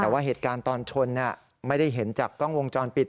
แต่ว่าเหตุการณ์ตอนชนไม่ได้เห็นจากกล้องวงจรปิด